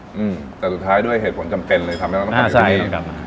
อืมแต่สุดท้ายด้วยเหตุผลจำเป็นเลยทำงานออฟฟิศอยู่ที่นี่น่าใช่ตอนกลับมา